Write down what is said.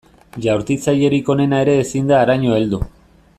Jaurtitzailerik onena ere ezin da haraino heldu.